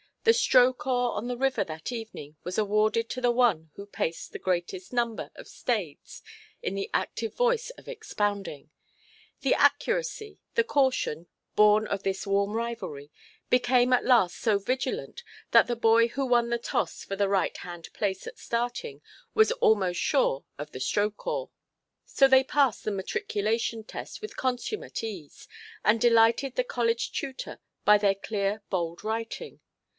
The stroke–oar on the river that evening was awarded to the one who paced the greatest number of stades in the active voice of expounding. The accuracy, the caution, born of this warm rivalry, became at last so vigilant, that the boy who won the toss for the right–hand place at starting, was almost sure of the stroke–oar. So they passed the matriculation test with consummate ease, and delighted the college tutor by their clear bold writing.